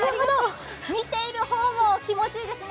見ている方も気持ちいいですね。